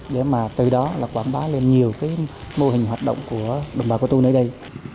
để từ đó quảng bá lên nhiều mô hình hoạt động của đồng bào cơ tu nơi đây